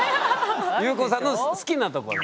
ゆうこさんの好きなところ。